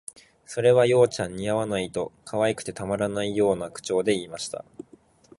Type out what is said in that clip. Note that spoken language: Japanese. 「それあ、葉ちゃん、似合わない」と、可愛くてたまらないような口調で言いました